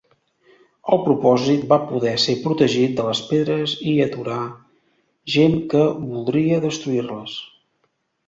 El propòsit va poder ser protegir les pedres i aturar gent que voldria destruir-les.